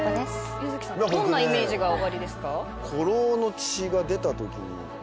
柚月さんってどんなイメージがおありですか？